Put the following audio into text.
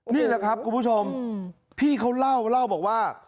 นี่แหละครับคุณผู้ชมพี่เขาเล่าเล่าบอกว่า